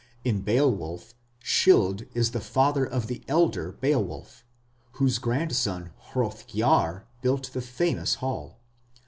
In Beowulf Scyld is the father of the elder Beowulf, whose grandson Hrothgar built the famous Hall.